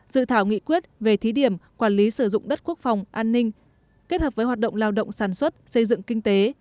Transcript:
dự thảo nghị quyết về thí điểm quản lý sử dụng đất quốc phòng an ninh kết hợp với hoạt động lao động sản xuất xây dựng kinh tế